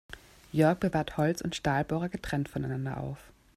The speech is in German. Jörg bewahrt Holz- und Stahlbohrer getrennt voneinander auf.